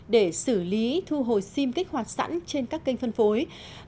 để xử lý thu hồi sim kích hoạt sẵn trên các kênh phân phối